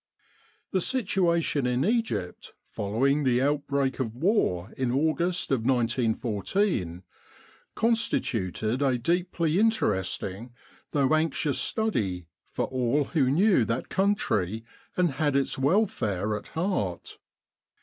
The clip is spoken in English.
The situation in Egypt, following the outbreak of war in August of 1914, constituted a deeply interest ing though anxious study for all who knew that country and had its welfare at heart.